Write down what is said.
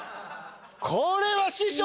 これは師匠。